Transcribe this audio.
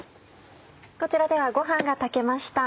こちらではご飯が炊けました。